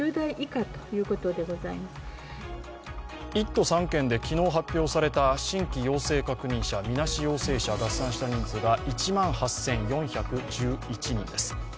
１都３県で昨日発表された新規要請確認者、みなし陽性者、合算した感染者は１万８４１１人です。